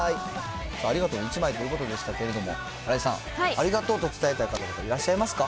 ありがとうの１枚ということでしたけれども、新井さん、ありがとうと伝えたい方とかいらっしゃいますか。